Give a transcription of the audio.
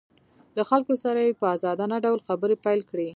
له خلکو سره یې په ازادانه ډول خبرې پیل کړې